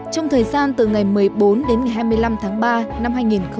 trong thời gian từ ngày một mươi bốn đến ngày hai mươi năm tháng ba năm hai nghìn hai mươi